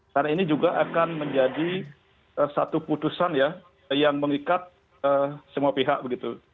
karena ini juga akan menjadi satu keputusan ya yang mengikat semua pihak begitu